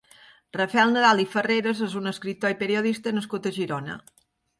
Rafael Nadal i Farreras és un escriptor i periodista nascut a Girona.